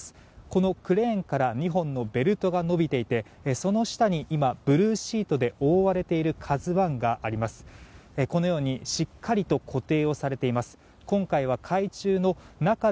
このクレーンから２本のベルトが伸びていてその下に今ブルーシートで覆われている「ＫＡＺＵ１」があります。